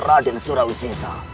radin surawis nisa